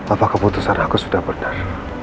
apa keputusan agus sudah benar